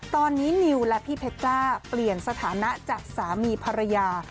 ตอนนี้นิวและพี่เพชรจ้าเปลี่ยนสถานะจากสามีภรรยา